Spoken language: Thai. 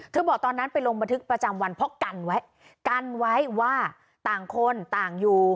บอกตอนนั้นไปลงบันทึกประจำวันเพราะกันไว้กันไว้ว่าต่างคนต่างอยู่